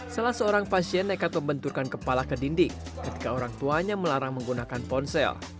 salah seorang pasien nekat membenturkan kepala ke dinding ketika orang tuanya melarang menggunakan ponsel